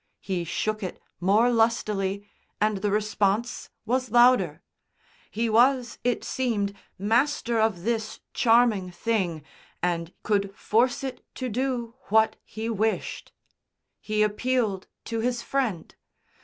He shook it more lustily and the response was louder. He was, it seemed, master of this charming thing and could force it to do what he wished. He appealed to his Friend.